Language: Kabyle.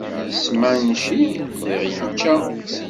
S manci qdiɣ icca.